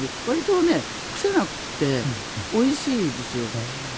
わりと癖がなくておいしいですよ。